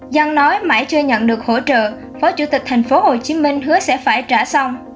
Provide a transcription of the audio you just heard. dân nói mãi chưa nhận được hỗ trợ phó chủ tịch tp hồ chí minh hứa sẽ phải trả xong